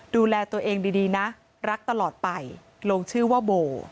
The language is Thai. ดูแลตัวเองดีนะรักตลอดไปลงชื่อว่าโบ